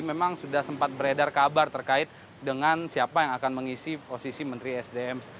memang sudah sempat beredar kabar terkait dengan siapa yang akan mengisi posisi menteri sdm